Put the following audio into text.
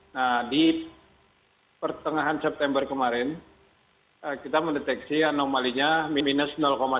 nah di pertengahan september kemarin kita mendeteksi anomalinya minus tujuh